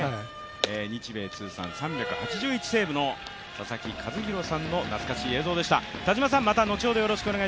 日米通算３８１セーブの佐々木主浩さんの懐かしい映像でした。